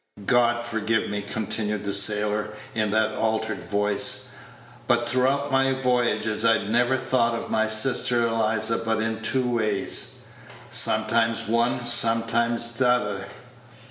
"God forgive me," continued the sailor, in that altered voice; "but throughout my voyages I'd never thought of my sister Eliza but in two ways sometimes one, sometimes t'other.